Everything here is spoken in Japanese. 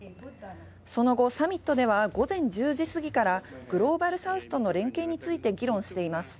その後サミットでは午前１０時過ぎからグローバルサウスとの連携について議論しています。